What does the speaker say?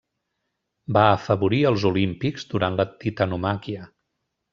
Va afavorir els Olímpics durant la Titanomàquia.